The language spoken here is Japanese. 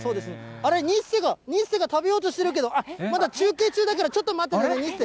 あれ、ニッセが、ニッセが食べようとしてるけど、あっ、まだ中継中だから、ちょっと待っててね、ニッセ。